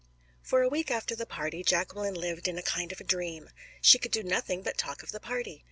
For a week after the party Jacqueline lived in a kind of dream. She could do nothing but talk of the party.